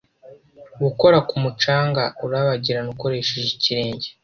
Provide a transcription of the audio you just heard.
gukora ku mucanga urabagirana ukoresheje ikirenge